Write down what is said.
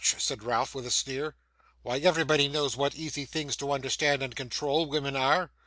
said Ralph, with a sneer. 'Why, everybody knows what easy things to understand and to control, women are.